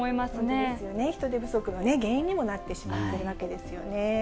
本当ですよね、人手不足の原因にもなってしまっているわけですよね。